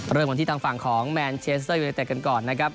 เริ่มกันที่ทางฝั่งของแมนเชสเตอร์ยูเนเต็ดกันก่อนนะครับ